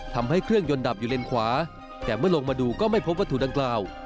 ทำให้เครื่องยนต์ดับอยู่เลนขวาแต่เมื่อลงมาดูก็ไม่พบวัตถุดังกล่าว